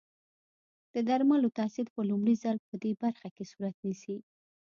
د درملو تاثیر په لومړي ځل پدې برخه کې صورت نیسي.